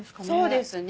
そうですね。